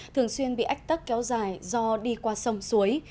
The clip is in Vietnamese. thường xuyên bị ách tắc kéo dài do đi qua sông suối